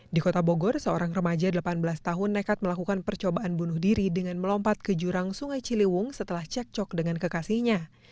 di kota bogor seorang remaja delapan belas tahun nekat melakukan percobaan bunuh diri dengan melompat ke jurang sungai ciliwung setelah cek cok dengan kekasihnya